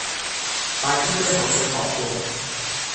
快啲 𦧲 口水講過